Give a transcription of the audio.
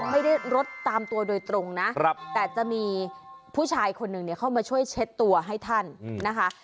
ไม่ได้รดตามตัวโดยตรงนะแต่จะมีผู้ชายคนหนึ่งเนี่ยเข้ามาช่วยเช็ดตัวให้ท่านนะคะ